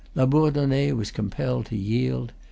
Labourdonnais was compelled to yield.